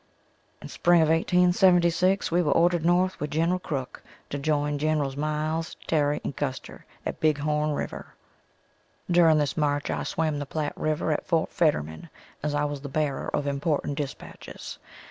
In spring of 1876, we were ordered north with General Crook to join Gen'ls Miles, Terry and Custer at Big Horn river. During this march I swam the Platte river at Fort Fetterman as I was the bearer of important dispatches.